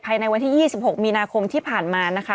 ในวันที่๒๖มีนาคมที่ผ่านมานะคะ